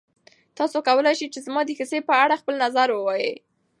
تاسو کولی شئ چې زما د کیسې په اړه خپل نظر ووایئ.